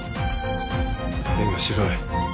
便が白い。